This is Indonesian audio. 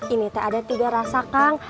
ini teh ada tiga rasa kang